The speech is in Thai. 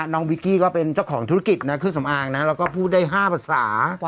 น้องวิกกี้ก็เป็นเจ้าของธุรกิจนะเครื่องสำอางนะแล้วก็พูดได้๕๕๕๕ว้าว